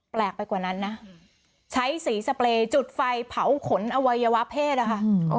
แปลกไปกว่านั้นนะใช้สีสเปรย์จุดไฟเผาขนอวัยวะเพศนะคะ